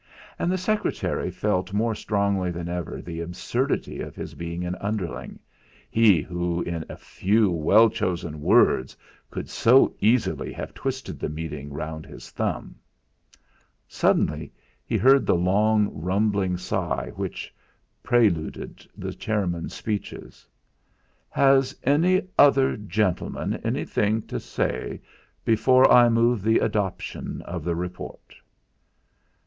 And the secretary felt more strongly than ever the absurdity of his being an underling, he who in a few well chosen words could so easily have twisted the meeting round his thumb. Suddenly he heard the long, rumbling sigh which preluded the chairman's speeches. "Has any other gentleman anything to say before I move the adoption of the report?"